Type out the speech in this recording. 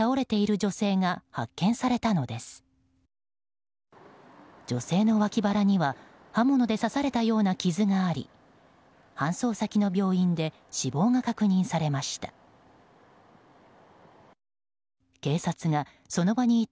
女性の脇腹には刃物で刺されたような傷があり搬送先の病院で死亡が確認されました。